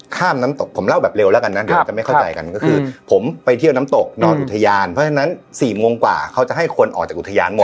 น้ำตกผมเล่าแบบเร็วแล้วกันนะเดี๋ยวจะไม่เข้าใจกันก็คือผมไปเที่ยวน้ำตกนอนอุทยานเพราะฉะนั้น๔โมงกว่าเขาจะให้คนออกจากอุทยานหมด